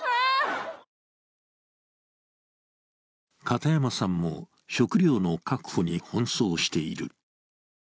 片山さんも食料の確保に奔走している。